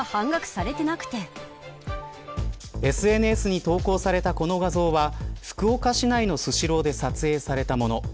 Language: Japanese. ＳＮＳに投稿されたこの画像は福岡市内のスシローで撮影されたもの。